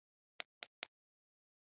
🐘 فېل